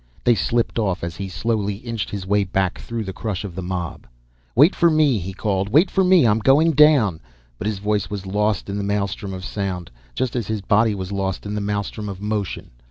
They slipped off as he slowly inched his way back through the crush of the mob. "Wait for me!" he called. "Wait for me, I'm going down!" But his voice was lost in the maelstrom of sound just as his body was lost in the maelstrom of motion.